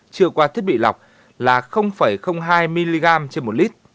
chưa qua thiết bị lọc là hai mg trên một lít